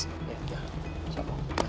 ya siap pak